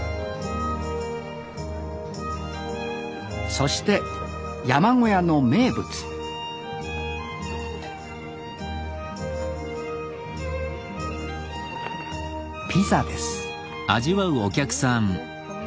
そして山小屋の名物ピザです